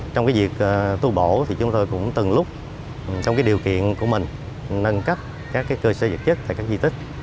trong việc tu bổ thì chúng tôi cũng từng lúc trong điều kiện của mình nâng cấp các cơ sở vật chất tại các di tích